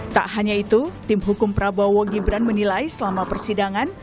tak hanya itu tim hukum prabowo gibran menilai selama persidangan